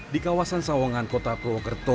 di kawasan sawangan kota purwokerto